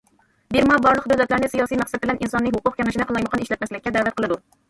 بىرما بارلىق دۆلەتلەرنى سىياسىي مەقسەت بىلەن ئىنسانىي ھوقۇق كېڭىشىنى قالايمىقان ئىشلەتمەسلىككە دەۋەت قىلىدۇ.